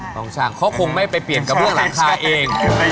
ช่างเขาคงไม่ไปเปลี่ยนกระเบื้องหลังคาเอง